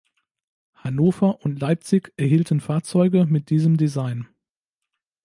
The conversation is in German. Hannover und Leipzig erhielten Fahrzeuge mit diesem Design.